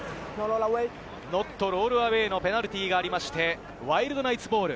ノットロールアウェイのペナルティーがありまして、ワイルドナイツボール。